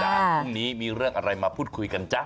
พรุ่งนี้มีเรื่องอะไรมาพูดคุยกันจ๊ะ